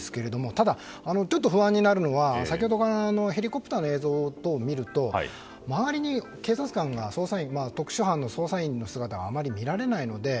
ただ、ちょっと不安になるのは先ほどからヘリコプターの映像等を見ると周りに、警察官捜査員の特殊班の姿があまり見られないので。